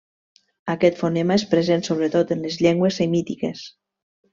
Aquest fonema és present sobretot en les llengües semítiques.